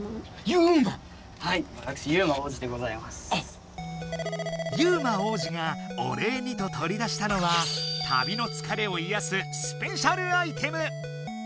ユウマ王子がお礼にと取り出したのは旅のつかれをいやすスペシャルアイテム。